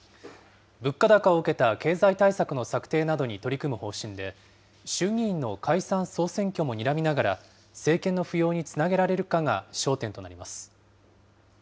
物価高を受けた経済対策の策定などに取り組む方針で、衆議院の解散・総選挙もにらみながら、政権の浮揚につなげられるかが焦点となります。